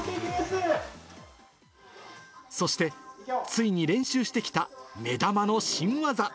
そして、ついに練習してきた目玉の新技。